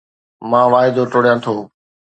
مان واعدو ٽوڙيان ٿو